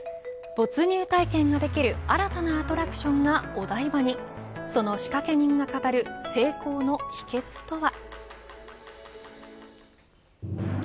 没入体験ができる新たなアトラクションがお台場にその仕掛け人が語る成功の秘けつとは。